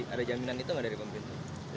ada jaminan itu nggak dari pemerintah